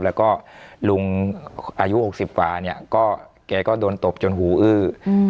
แล้วก็ลุงอายุ๖๐กว่าเนี่ยก็แกก็โดนตบจนหูอื้อ